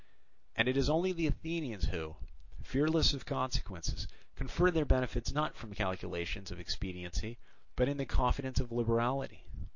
And it is only the Athenians, who, fearless of consequences, confer their benefits not from calculations of expediency, but in the confidence of liberality.